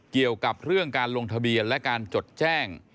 เกี่ยวกับเรื่องการลงทะเบียนและการจดแจ้ง